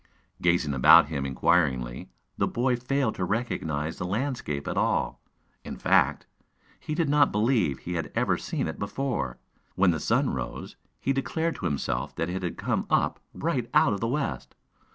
Gazing about him inquiringly, the boy failed to recognize the landscape at all. In fact, he did not believe he ever had seen it before. When the sun rose he declared to himself that it had come right up out of the west.